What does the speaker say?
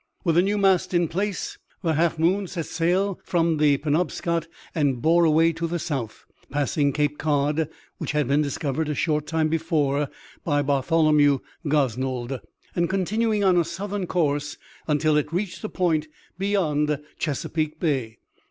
With a new mast in place the Half Moon set sail from the Penobscot and bore away to the south, passing Cape Cod which had been discovered a short time before by Bartholomew Gosnold, and continuing on a southern course until it reached a point beyond Chesapeake Bay.